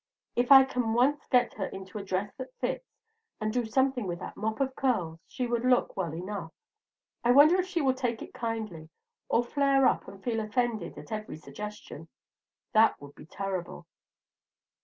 If I can once get her into a dress that fits, and do something with that mop of curls, she would look well enough. I wonder if she will take it kindly, or flare up and feel offended at every little suggestion. That would be terrible!